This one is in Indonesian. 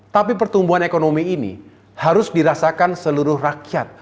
tapi pertumbuhan ekonomi ini harus dirasakan seluruh rakyat